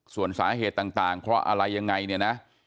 ส่วนสาเหตุต่างเพราะอะไรยังไงเนี่ยนะ